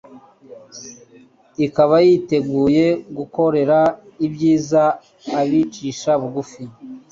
ikaba yiteguye gukorera ibyiza abicisha bugufi.